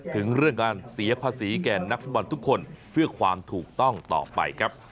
ถึงเรื่องการเสียภาษีแก่นักฟุตบอลทุกคนเพื่อความถูกต้องต่อไปครับ